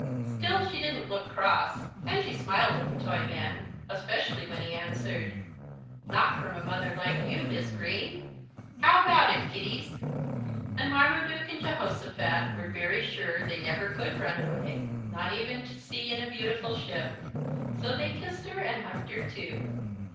Still she didn't look cross, and she smiled at the Toyman, especially when he answered: "Not from a mother like you, Mis' Green. How about it, kiddies?" And Marmaduke and Jehosophat were very sure they never could run away not even to sea in a beautiful ship. So they kissed her and hugged her too.